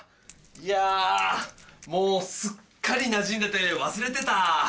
いやもうすっかりなじんでて忘れてたあ。